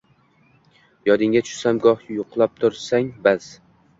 Yodingga tushsam goh yuqlab tursang bas